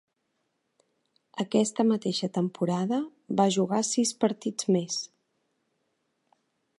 Aquesta mateixa temporada va jugar sis partits més.